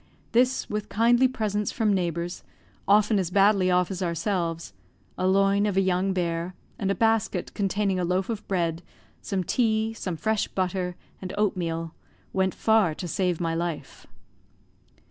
This, with kindly presents from neighbours often as badly off as ourselves a loin of a young bear, and a basket, containing a loaf of bread, some tea, some fresh butter, and oatmeal, went far to save my life.